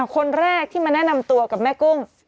คนแรกที่มาแนะนำตัวกับแม่กุ้ง